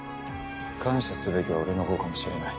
感謝すべきは俺の方かもしれない。